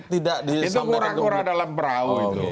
tidak disambung itu pura pura dalam perahu itu